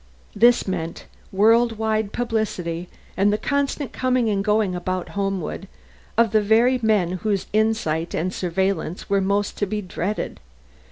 This meant world wide publicity and the constant coming and going about Homewood of the very men whose insight and surveillance were most to be dreaded.